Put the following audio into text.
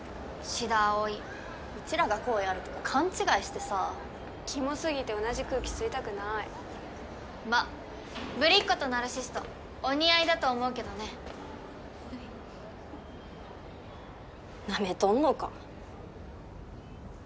志田葵うちらが好意あるとか勘違いしてさキモすぎて同じ空気吸いたくないまあぶりっ子とナルシストお似合いだと思うけどねナメとんのか？